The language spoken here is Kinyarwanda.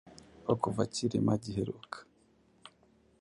Ko kuva Cyilima giheruka